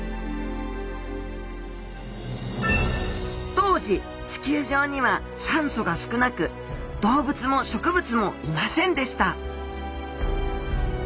当時地球上には酸素が少なく動物も植物もいませんでした